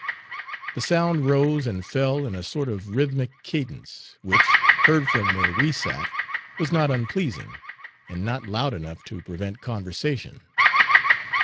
The sound rose and fell in a sort of rhythmic cadence, which, heard from where we sat, was not unpleasing, and not loud enough to prevent conversation.